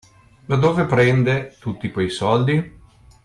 Da dove prende tutti quei soldi?